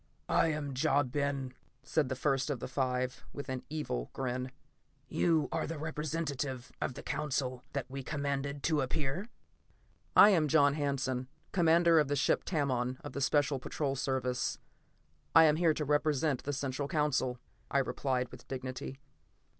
"I am Ja Ben," said the first of the five, with an evil grin. "You are the representative of the Council that we commanded to appear?" "I am John Hanson, commander of the ship Tamon of the Special Patrol Service. I am here to represent the Central Council," I replied with dignity.